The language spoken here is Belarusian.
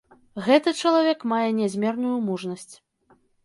Гэты чалавек мае нязмерную мужнасць.